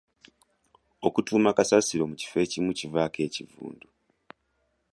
Okutuuma kasasiro mu kifo ekimu kivaako ekivundu.